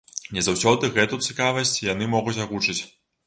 Не заўсёды гэту цікавасць яны могуць агучыць.